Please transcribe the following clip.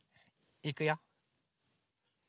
いくよ。